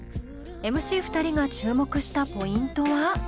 ＭＣ２人が注目したポイントは？